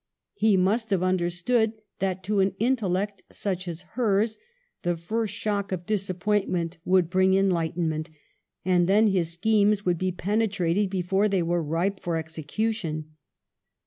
He must have understood that to an intellect such as hers, the first shock of disappointment would bring enlightenment, and then his schemes would be. penetrated before they were ripe for execu tion.